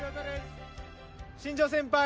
新庄先輩。